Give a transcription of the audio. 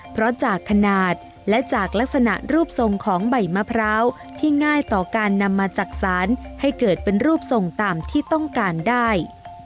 เพราะจากขนาดและจากลักษณะรูปทรงของใบมะพร้าวที่ง่ายต่อการนำมาจักษานให้เกิดเป็นรูปทรงตามที่ต้องการได้